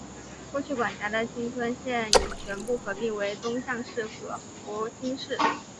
过去管辖的町村现已全部合并为宗像市和福津市。